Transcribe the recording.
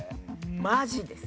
マジです。